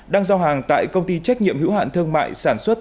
đang giao hàng tại công ty trách nhiệm hữu hạn thương mại sản xuất